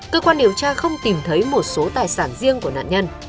cơ quan điều tra không tìm thấy một số tài sản riêng của nạn nhân